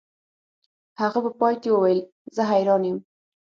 هغه په پای کې وویل زه حیران یم